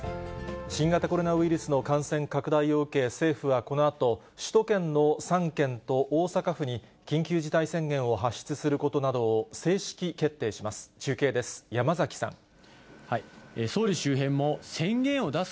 新型コロナウイルスの感染拡大を受け、政府はこのあと、首都圏の３県と大阪府に、緊急事態宣言を発出することなどを正式決定します。